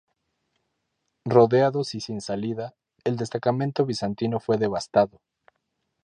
Rodeados y sin salida, el destacamento bizantino fue devastado.